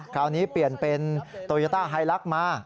คราวนี้เปลี่ยนเป็นโตโยต้าไฮลักษ์มา